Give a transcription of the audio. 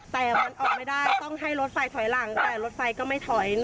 แต่มันออกไม่ได้ต้องให้รถไฟถอยหลังแต่รถไฟก็ไม่ถอย